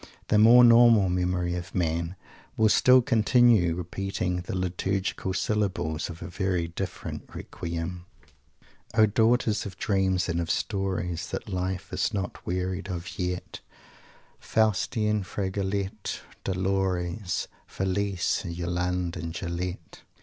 The more normal memory of man will still continue repeating the liturgical syllables of a very different requiem: "O daughters of dreams and of stories, That Life is not wearied of yet Faustine, Fragoletta, Dolores, Felise, and Yolande and Julette!"